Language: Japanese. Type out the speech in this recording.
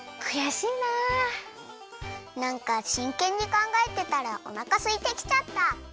なんかしんけんにかんがえてたらおなかすいてきちゃった。